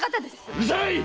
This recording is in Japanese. うるさいっ！